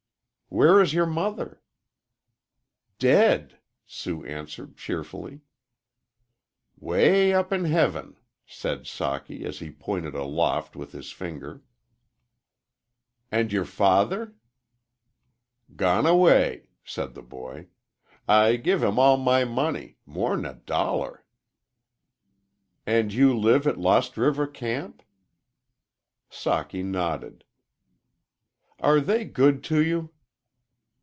"Where is your mother?" "Dead," Sue answered, cheerfully. "'Way up in heaven," said Socky, as he pointed aloft with his finger. "And your father?" "Gone away," said the boy. "I give him all my money more'n a dollar." "And you live at Lost River camp?" Socky nodded. "Are they good to you?"